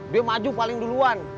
dia maju paling duluan